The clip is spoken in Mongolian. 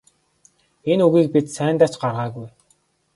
Энэ үгийг бид сайндаа ч гаргаагүй.